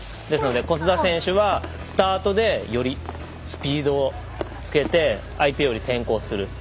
ですので小須田選手はスタートでよりスピードをつけて相手よりも先行する。